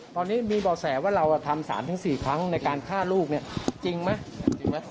ตอนนี้มีบ่าแสว่าเราทำ๓๔ครั้งในการฆ่าลูกจริงไหม